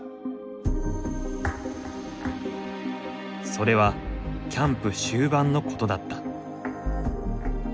それはキャンプ終盤のことだった。